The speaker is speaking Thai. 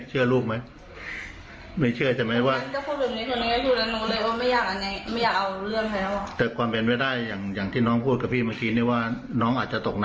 เชื่อรูปไหมไม่เชื่อใช่ไหมว่าไม่อยากเอาเรื่องใครหรอก